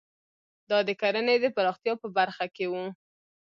دا د کرنې د پراختیا په برخه کې وو.